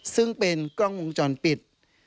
ซึ่งเป็นกล้องวงจรปิด